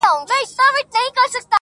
زما څه عبادت په عادت واوښتی،